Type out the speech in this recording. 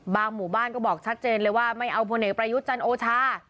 หมู่บ้านก็บอกชัดเจนเลยว่าไม่เอาพลเอกประยุทธ์จันทร์โอชา